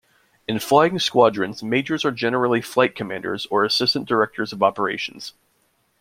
In flying squadrons majors are generally flight commanders or assistant directors of operations.